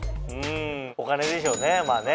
お金でしょうねまぁね。